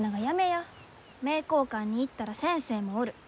名教館に行ったら先生もおる。